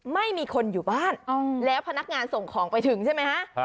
ไม่มีคนอยู่บ้านแล้วพนักงานส่งของไปถึงใช่ไหมฮะ